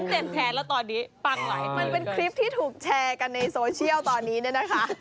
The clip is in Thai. มันเป็นคลิปที่ถูกแชร์กันในโซเชียลตอนนี้นะคะ